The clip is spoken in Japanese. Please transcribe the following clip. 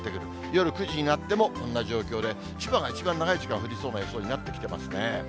夜９時になってもこんな状況で、千葉が一番長い時間、降りそうな予想になってきてますね。